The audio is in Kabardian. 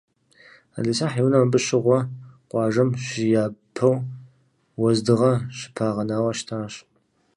Ӏэлисахь и унэм абы щыгъуэ, къуажэм щыяпэу, уэздыгъэ щыпагъэнауэ щытащ.